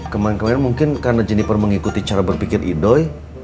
kemarin kemarin mungkin karena jeniper mengikuti cara berpikir idoi